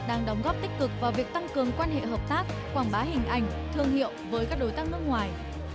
đang đóng góp tích cực vào việc tăng cường quan hệ hợp tác quảng bá hình ảnh thương hiệu với các đối tác nước ngoài